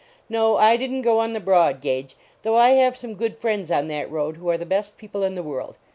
No, I didn t go on the broad gauge, though I have some good friends on that road who are the best people in the world.